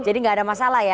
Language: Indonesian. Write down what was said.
jadi nggak ada masalah ya